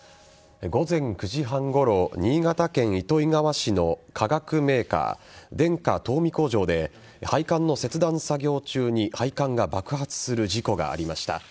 午前９時半ごろ新潟県糸魚川市の化学メーカーで配管の切断作業中に配管が爆発する事故がありました。